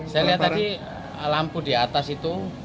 saya lihat tadi lampu di atas itu